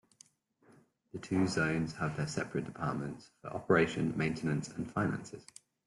The two zones have their separate departments for operation, maintenance, and finances.